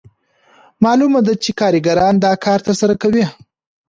معلومه ده چې کارګران دا کار ترسره کوي